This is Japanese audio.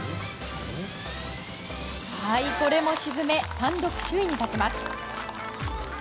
これも沈め単独首位に立ちます。